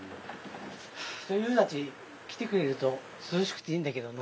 ・ひと夕立来てくれると涼しくていいんだけどの。